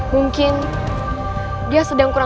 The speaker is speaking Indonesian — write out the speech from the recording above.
mungkin dia sedang berguruan